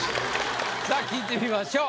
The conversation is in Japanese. さあ聞いてみましょう。